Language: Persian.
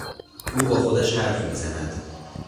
او با خودش حرف میزند.